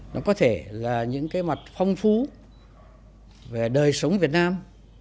nó có thể là những cái mặt phong phú về đời sống việt nam